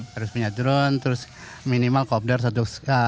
harus punya drone terus minimal corpder satu